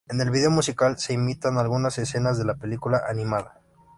En el vídeo musical se imitan algunas escenas de la película animada.